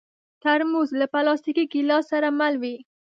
ترموز له پلاستيکي ګیلاس سره مل وي.